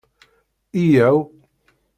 Yya-w!